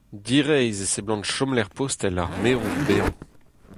Direizh e seblant chomlec'h postel ar merour bezañ.